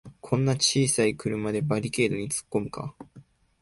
こんな小さい車でバリケードにつっこむのか